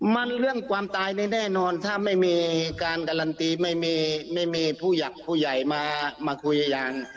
มันเรื่องความตายนี่แน่นอนถ้าไม่มีการการันตีไม่มีไม่มีผู้หลักผู้ใหญ่มาคุยพยาน